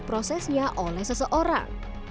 prosesnya oleh seseorang